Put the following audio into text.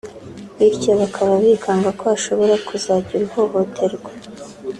bityo bakaba bikanga ko hashobora kuzagira uhohoterwa